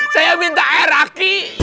saya minta air aki